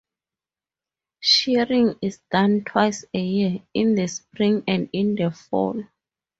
Shearing is done twice a year, in the spring and in the fall.